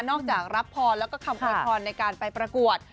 นอกจากรับพรและคำโอยพรในการไปประกวด